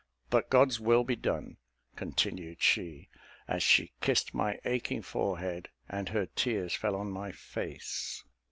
But God's will be done," continued she, as she kissed my aching forehead, and her tears fell on my face.